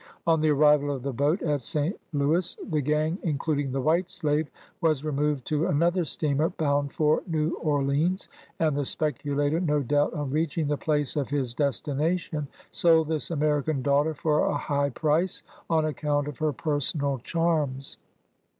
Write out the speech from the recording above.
On the arrival of the boat at St. Louis, the gang, including the white slave, was removed to another steamer, bound for New Orleans, and the speculator, no doubt, on reaching the place of his des tination, sold this American daughter for a high price, on account of her personal charms.